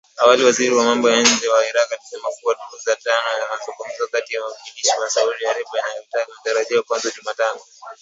Awali waziri wa mambo ya nje wa Iraq, alisema kuwa duru ya tano ya mazungumzo kati ya wawakilishi wa Saudi Arabia na Iran ingetarajiwa kuanza tena Jumatano.